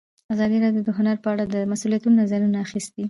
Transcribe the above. ازادي راډیو د هنر په اړه د مسؤلینو نظرونه اخیستي.